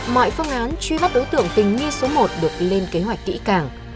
mọi phương án truy bắt đối tượng tình nghi số một được lên kế hoạch kỹ càng